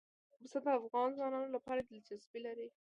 پسه د افغان ځوانانو لپاره دلچسپي لري.